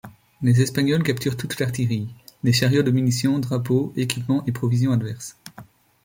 Les Espagnols capturent toute l'artillerie, les chariots de munitions, drapeaux, équipements et provisions adverses.